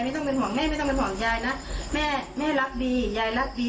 ไม่ต้องเป็นห่วงแม่ไม่ต้องเป็นห่วงยายนะแม่แม่รักดียายรักดี